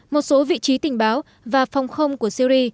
một số vị trí tình báo và phòng không của syri